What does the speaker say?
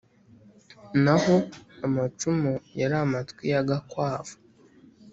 naho amacumu yari amatwi y'agakwavu.